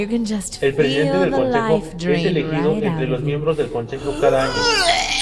El presidente del consejo es elegido entre los miembros del consejo cada año.